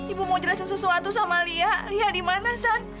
ibu mau jelasin sesuatu sama lia lia dimana san